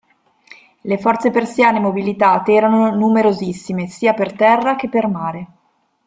Le forze persiane mobilitate erano numerosissime, sia per terra che per mare.